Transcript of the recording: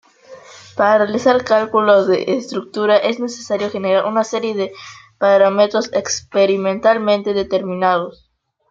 Para realizar cálculos de estructura es necesario generar una serie de parámetros experimentalmente determinados.